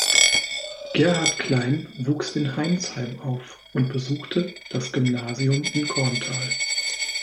Gerhard Klein wuchs in Heimsheim auf und besuchte das Gymnasium in Korntal.